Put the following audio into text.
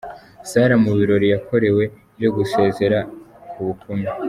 Sarah mu birori yakorewe byo gusezera ku bukumi.